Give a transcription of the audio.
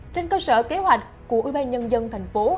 trên cơ sở kế hoạch của ủy ban nhân dân thành phố